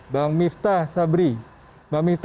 bang miftah sabri